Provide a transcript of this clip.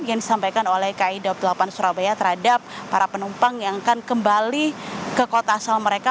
yang disampaikan oleh ki daup delapan surabaya terhadap para penumpang yang akan kembali ke kota asal mereka